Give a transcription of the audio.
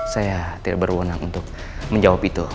saya tidak berwenang untuk menjawab itu